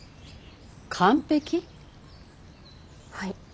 はい。